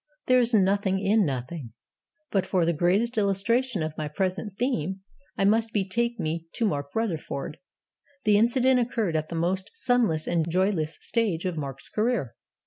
There is nothing in Nothing. But for the greatest illustration of my present theme I must betake me to Mark Rutherford. The incident occurred at the most sunless and joyless stage of Mark's career.